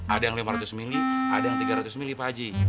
ada yang lima ratus mili ada yang tiga ratus mili pak haji